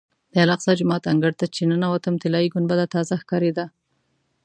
د الاقصی جومات انګړ ته چې ننوتم طلایي ګنبده تازه ښکارېده.